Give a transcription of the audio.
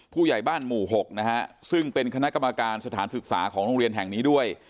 ผู้ใหญ่บ้านหมู่๖นะฮะซึ่งเป็นคณะกรรมการสถานศึกษาของโรงเรียนแห่งนี้ด้วย